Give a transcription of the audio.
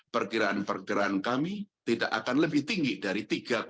pergiraan pergiraan kami tidak akan lebih tinggi dari tiga tujuh